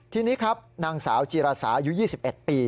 ทีนี้ครับนางสาวจีรสายุ๒๑ปี